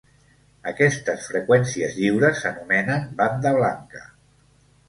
Aquestes freqüències lliures s'anomenen Banda Blanca.